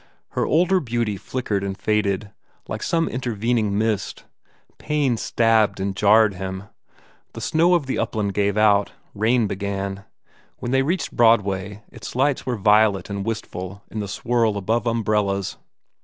Her older beauty flickered and faded like some intervening mist. Pain stabbed and jarred him. The snow of the upland gave out. Rain began. When they reached Broadway its lights were violet and wistful in the swirl above umbrellas.